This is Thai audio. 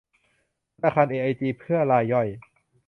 ธนาคารเอไอจี เพื่อรายย่อย